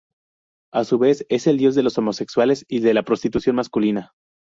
A su vez, es el dios de los homosexuales y de la prostitución masculina.